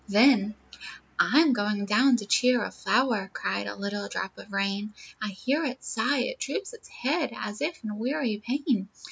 "Then, 'I'm going down to cheer a flower,' Cried a little drop of rain; 'I hear it sigh. It droops its head As if in weary pain.'